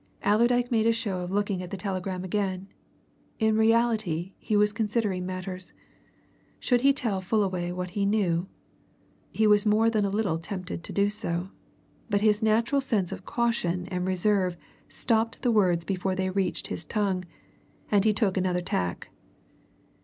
Allerdyke made a show of looking at the telegram again. In reality, he was considering matters. Should he tell Fullaway what he knew? He was more than a little tempted to do so. But his natural sense of caution and reserve stopped the words before they reached his tongue, and he took another tack.